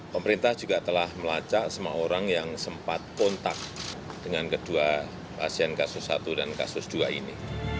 pemerintah juga telah melacak semua orang yang sempat kontak dengan kedua pasien kasus satu dan kasus dua ini